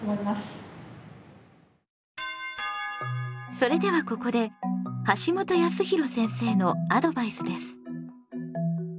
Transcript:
それではここで橋本康弘先生のアドバイスです。